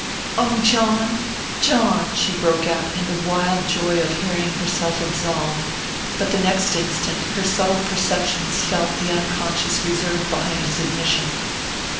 "Oh, John John!" she broke out in the wild joy of hearing herself absolved; but the next instant her subtle perceptions felt the unconscious reserve behind his admission.